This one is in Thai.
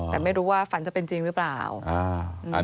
แต่ไม่รู้ว่าฝันจะเป็นจริงหรือเปล่า